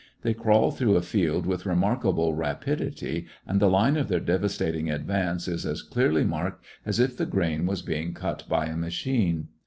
They crawl through a field with remarkable rapidity, and the line of their devastating ad vance is as clearly marked as if the grain was being cut by a machine.